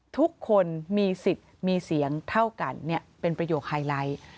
ทุกคนมีสิทธิ์มีเสียงเท่ากันเป็นประโยคไฮไลท์